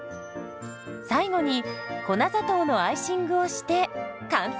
最後に粉砂糖のアイシングをして完成。